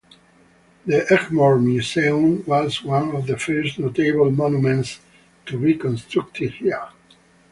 The Egmore Museum was one of the first notable monuments to be constructed here.